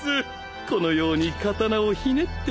このように刀をひねっていただくと。